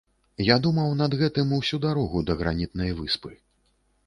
Я думаў над гэтым усю дарогу да гранітнай выспы.